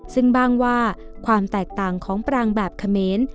ซึ่งบ้างว่าความแตกต่างของปรางแบบเขมร